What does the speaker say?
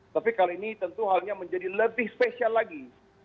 tapi kali ini tentu halnya menjadi lebih spesial lagi